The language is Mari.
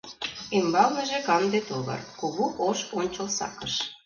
Ӱмбалныже канде тувыр, кугу ош ончылсакыш.